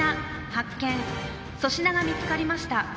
粗品が見つかりました。